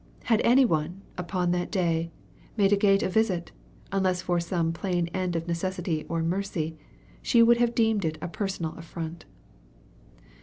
Had any one, upon that day, made Agate a visit, unless for some plain end of necessity or mercy, she would have deemed it a personal affront.